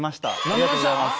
ありがとうございます。